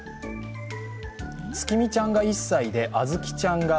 つきみちゃんが１歳であずきちゃんが